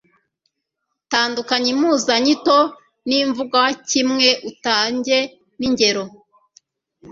tandukanya impuzanyito n'imvugwakimwe, utangen'ingero